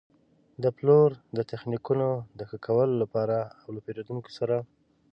د پلور د تخنیکونو د ښه کولو لپاره او له پېرېدونکو سره.